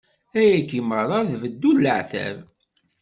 Ayagi meṛṛa, d beddu n leɛtab.